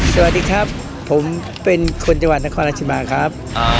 สวัสดีครับผมเป็นคนจังหวัดนครราชบาครับ